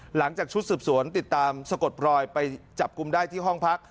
หลังจากชุดสืบสวนติดตามสะกดรอยไปจับกลุ่มได้ที่ห้องพัก